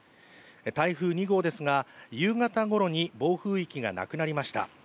台風２号ですが、夕方ごろに暴風域がなくなりました。